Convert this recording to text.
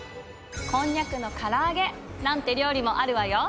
こんにゃくの唐揚げなんて料理もあるわよ！